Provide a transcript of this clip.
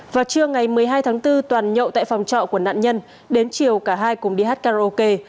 vào trưa ngày một mươi hai tháng bốn toàn nhậu tại phòng trọ của nạn nhân đến chiều cả hai cùng đi hát karaoke